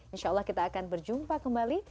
insya allah kita akan berjumpa kembali